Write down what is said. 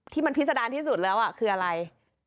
ที่มันพิษดารที่สุดแล้วคืออะไร